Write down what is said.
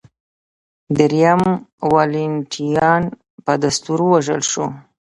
درېیم والنټینیان په دستور ووژل شو